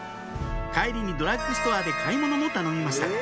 帰りにドラッグストアで買い物も頼みました